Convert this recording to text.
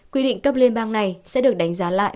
quy định cấp liên bang này sẽ được đánh giá lại